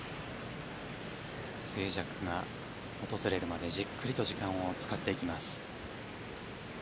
静寂が訪れるまでじっくりと時間を使っていきます。